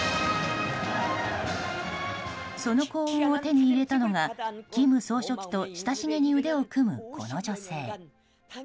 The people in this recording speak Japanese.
その幸運を手に入れたのが金総書記と親しげに腕を組む、この女性。